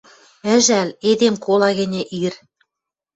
Ӹжӓл, эдем кола гӹньӹ ир.